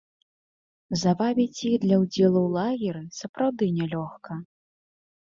Завабіць іх для ўдзелу ў лагеры сапраўды нялёгка.